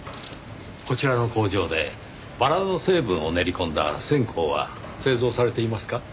こちらの工場でバラの成分を練り込んだ線香は製造されていますか？